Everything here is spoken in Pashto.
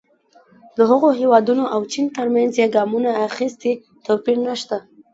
د هغو هېوادونو او چین ترمنځ چې ګامونه اخیستي توپیر نه شته.